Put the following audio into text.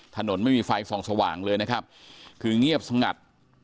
ถนนไม่มีไฟส่องสว่างเลยนะครับคือเงียบสงัด